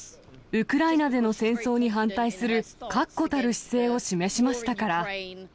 ウクライナでの戦争に反対する確固たる姿勢を示しましたから。